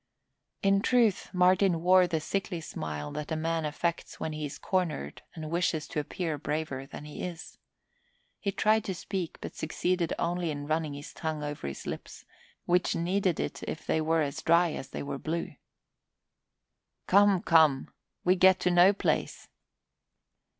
In truth Martin wore the sickly smile that a man affects when he is cornered and wishes to appear braver than he is. He tried to speak but succeeded only in running his tongue over his lips, which needed it if they were as dry as they were blue. "Come, come, we get no place!"